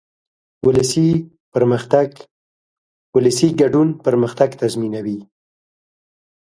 ولسي ګډون پرمختګ تضمینوي.